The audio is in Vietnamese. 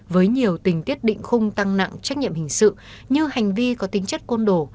với nhiều tình tiết định khung tăng nặng trách nhiệm hình sự như hành vi có tính chất côn đồ